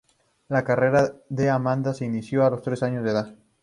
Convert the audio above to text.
La carrera de Amanda se inició a los tres años de edad.